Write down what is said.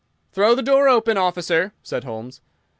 "Throw the door open, officer," said Holmes.